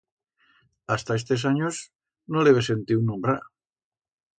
Hasta estes anyos no lo hebe sentiu nombrar.